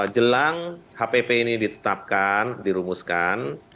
jelang hpp ini ditetapkan dirumuskan